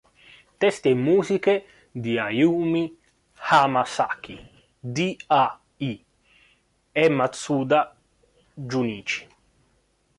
Testi e musiche di Ayumi Hamasaki, D・A・I e Matsuda Junichi.